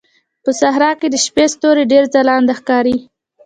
په صحراء کې د شپې ستوري ډېر ځلانده ښکاري.